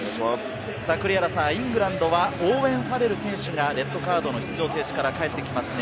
イングランドはオーウェン・ファレル選手がレッドカードの出場停止から帰ってきますね。